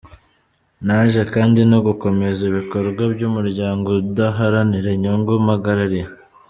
Naje kandi no gukomeza ibikorwa by’umuryango udaharanira inyungu mpagarariye.